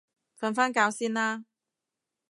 瞓返覺先啦